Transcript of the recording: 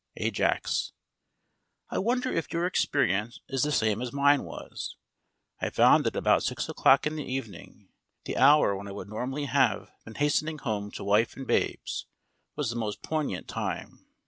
AJAX: I wonder if your experience is the same as mine was? I found that about six o'clock in the evening, the hour when I would normally have been hastening home to wife and babes, was the most poignant time.